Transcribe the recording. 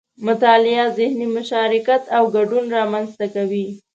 مطالعه ذهني مشارکت او ګډون رامنځته کوي